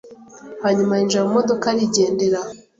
hanyuma yinjira mu modoka arigendera.